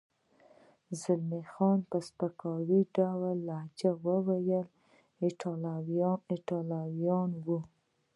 زلمی خان په سپکاوي ډوله لهجه وویل: ایټالویان و.